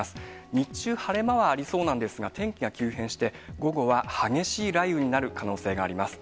日中、晴れ間はありそうなんですが、天気が急変して、午後は激しい雷雨になる可能性があります。